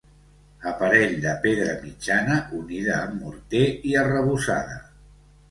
Aparell de pedra mitjana unida amb morter i arrebossada.